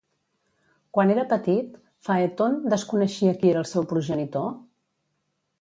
Quan era petit, Faetont desconeixia qui era el seu progenitor?